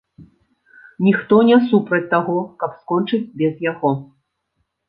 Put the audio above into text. Ніхто не супраць таго, каб скончыць без яго.